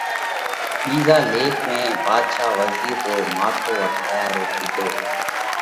ٻِيزا ليک ۾ ڀاڌشا وزِير رو ماٿو واڍيا رو ڪِيڌو۔